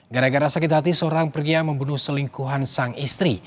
gara gara sakit hati seorang pria membunuh selingkuhan sang istri